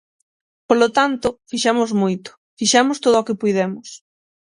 Polo tanto, fixemos moito; fixemos todo o que puidemos.